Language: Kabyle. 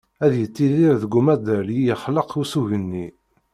Ad yettidir deg umaḍal i d-yexleq usugen-is.